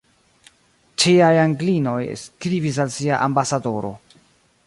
Ciaj Anglinoj skribis al sia ambasadoro.